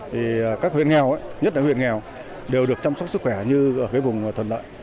thì các huyện nghèo nhất là huyện nghèo đều được chăm sóc sức khỏe như ở cái vùng thuận lợi